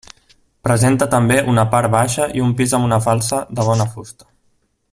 Presenta també una part baixa i un pis amb una falsa de bona fusta.